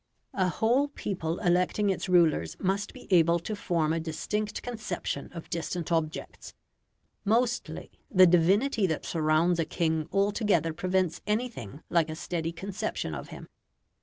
A whole people electing its rulers must be able to form a distinct conception of distant objects. Mostly, the "divinity" that surrounds a king altogether prevents anything like a steady conception of him.